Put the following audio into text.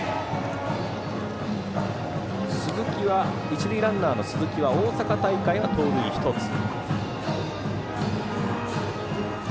一塁ランナーの鈴木は大阪大会で盗塁１つ。